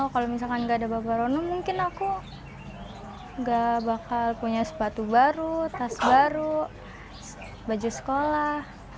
jika tidak ada bapak sarono mungkin saya tidak akan memiliki sepatu baru tas baru baju sekolah